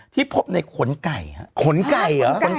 ที่พบในขนไก่ขนไก่